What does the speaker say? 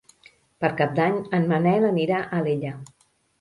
Per Cap d'Any en Manel anirà a Alella.